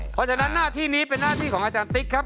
เพราะฉะนั้นหน้าที่นี้เป็นหน้าที่ของอาจารย์ติ๊กครับ